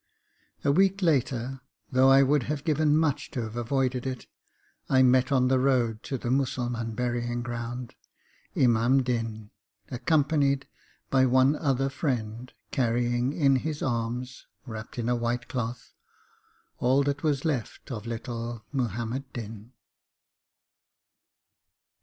A week later, though I would have given much to have avoided it, I met on the road to the Mussulman burying ground Imam Din, accompanied by one other friend, carrying in his arms, wrapped in a white cloth, all that was left of little Muhammad Din.